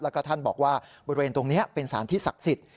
แล้วก็ท่านบอกว่าบริเวณตรงนี้เป็นสารที่ศักดิ์สิทธิ